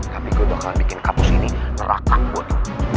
tapi gue bakal bikin kapus ini neraka bud